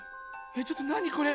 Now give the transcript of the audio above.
ちょっとなにこれ？